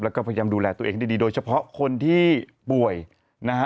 แล้วก็พยายามดูแลตัวเองให้ดีโดยเฉพาะคนที่ป่วยนะฮะ